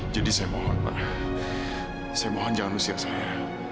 jadi saya mohon pak saya mohon jangan usir saya